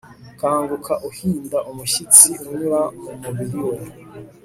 Kanguka Uhinda umushyitsi unyura mu mubiri we